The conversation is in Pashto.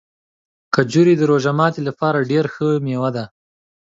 کجورې د روژه ماتي لپاره ډېره ښه مېوه ده.